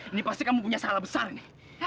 ini pasti kamu punya salah besar nih